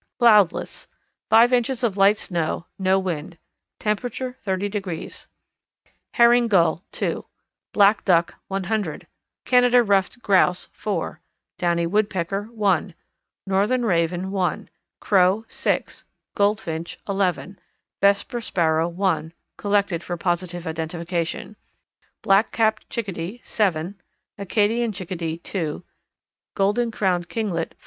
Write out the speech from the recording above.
Cloudless; 5 inches of light snow; no wind; temperature 30 degrees. Herring Gull, 2; Black Duck, 100; Canada Ruffed Grouse, 4; Downy Woodpecker, 1; Northern Raven, 1; Crow, 6; Goldfinch, 11; Vesper Sparrow, 1 (collected for positive identification); Black capped Chickadee, 7; Acadian Chickadee, 2; Golden crowned Kinglet, 5.